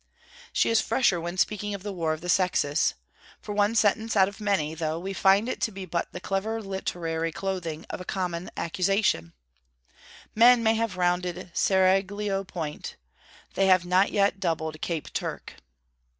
She is fresher when speaking of the war of the sexes. For one sentence out of many, though we find it to be but the clever literary clothing of a common accusation: 'Men may have rounded Seraglio Point: they have not yet doubled Cape Turk.'